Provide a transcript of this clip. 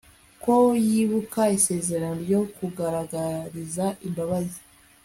ko yibuka isezerano ryo kugaragariza imbabazi